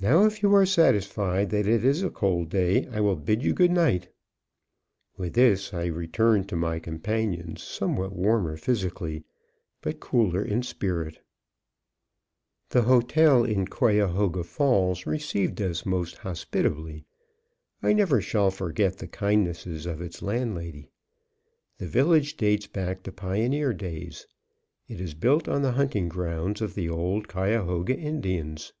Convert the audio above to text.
Now, if you are satisfied that it is a cold day, I will bid you good night." With this I returned to my companions, somewhat warmer physically, but cooler in spirit. The hotel in Cuyahoga Falls received us most hospitably; I never shall forget the kindnesses of its landlady. The village dates back to pioneer days. It is built on the hunting grounds of the old Cuyahoga Indians.